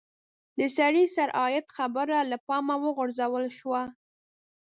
د سړي سر عاید خبره له پامه وغورځول شوه.